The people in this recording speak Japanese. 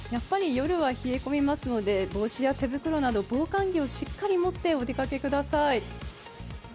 夜は冷え込みますので帽子や手袋など防寒着をしっかり持ってお出かけください。